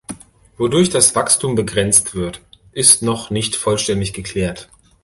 Wodurch das Wachstum begrenzt wird, ist noch nicht vollständig geklärt.